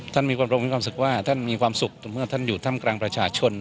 ท่านมีความสุขว่าท่านมีความสุขเพราะท่านอยู่ท่ามกลางประชาชน